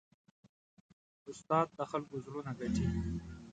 استاد د خلکو زړونه ګټي.